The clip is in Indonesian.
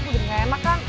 udah gak emak kan